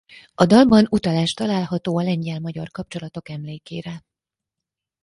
A dalban utalás található a lengyel–magyar kapcsolatok emlékére.